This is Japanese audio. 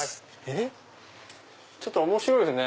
ちょっと面白いですね。